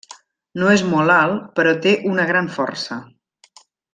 No és molt alt però té una gran força.